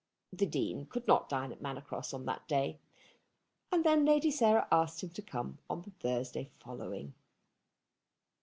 The Dean could not dine at Manor Cross on that day, and then Lady Sarah asked him to come on the Thursday following.